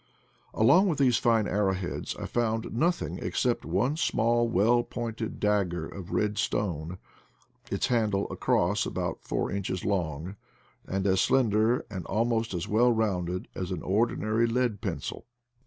Along with these fine arrow heads I found nothing except one small well pointed dagger of red stone, its handle a cross, about four inches long, and as slender and almost as well rounded as an ordinary lead pencil.